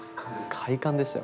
快感でしたよ